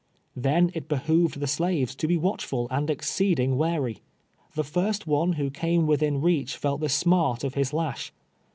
Then it behooved the slaves to be watchful and exceeding wary. The first one who came M'ithin reach felt the smart of his lash.